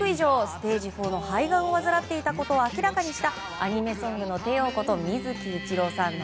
ステージ４の肺がんを患っていたことを明らかにしたアニメソングの帝王こと